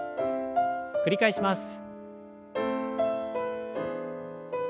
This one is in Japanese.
繰り返します。